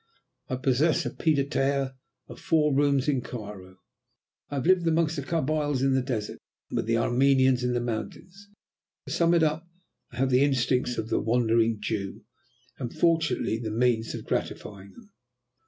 I possess a pied à terre of four rooms in Cairo, I have lived amongst the Khabyles in the desert, and with the Armenians in the mountains. To sum it up, I have the instincts of the Wandering Jew, and fortunately the means of gratifying them."